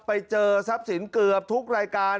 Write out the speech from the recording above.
ไปเจอทรัพย์สินเกือบทุกรายการ